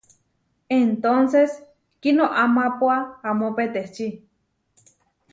Entónces kinoamápua amó peteči.